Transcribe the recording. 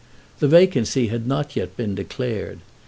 The vacancy had not yet been declared.